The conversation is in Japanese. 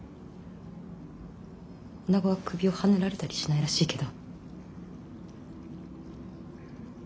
女子は首をはねられたりしないらしいけど。